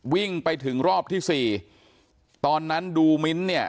วิ่งไปถึงรอบที่สี่ตอนนั้นดูมิ้นท์เนี่ย